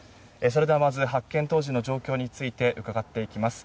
それでは、まず発見当時の状況について伺っていきます。